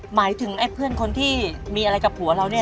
หมายถึงไอ้เพื่อนคนที่มีอะไรกับผัวเราเนี่ย